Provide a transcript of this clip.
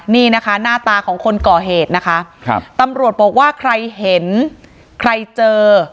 นี่นะคะหน้าตาของคนก่อเหตุนะคะครับตำรวจบอกว่าใครเห็นใครเจอ